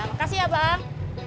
makasih ya bang